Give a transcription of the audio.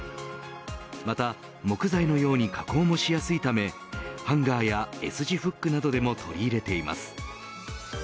また木材のように加工もしやすいためハンガーやＳ字フックなどでも取り入れています。